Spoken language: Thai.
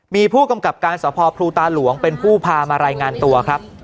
มีผู้กำกับการสภพลูตาหลวงเป็นผู้พามารายงานตัวครับ